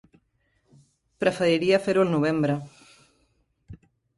Preferiria fer-ho al novembre.